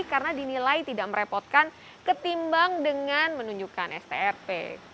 karena dinilai tidak merepotkan ketimbang dengan menunjukkan strp